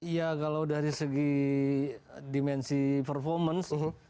ya kalau dari segi dimensi performance